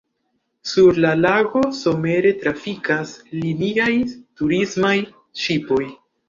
Sur la lago somere trafikas liniaj turismaj ŝipoj.